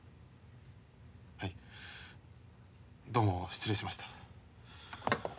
はいどうも失礼しました。